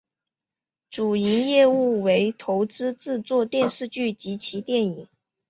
主营业务为投资制作电视剧以及电影。